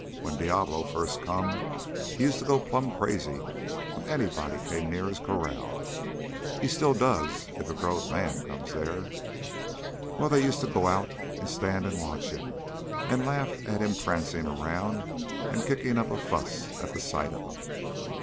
When Diablo first come, he used to go plumb crazy when anybody come near his corral. He still does if a growed man comes there. Well, they used to go out and stand and watch him and laugh at him prancing around and kicking up a fuss at the sight of 'em.